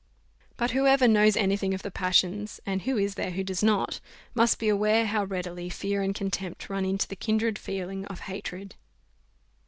Now whoever knows any thing of the passions and who is there who does not? must be aware how readily fear and contempt run into the kindred feeling of hatred.